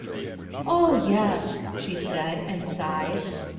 "Oh yes/' she said, and sighed.